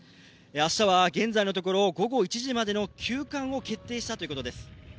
明日は現在のところ午後１時までの休館を決定したということです。